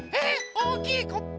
⁉おおきいコップ。